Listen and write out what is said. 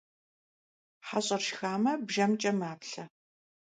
ХьэщIэр шхамэ, бжэмкIэ маплъэ